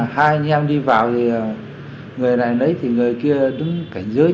hai anh em đi vào thì người này nấy thì người kia đứng cạnh dưới